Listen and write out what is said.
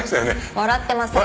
笑ってません。